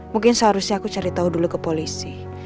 mungkin seharusnya aku cari tahu dulu ke polisi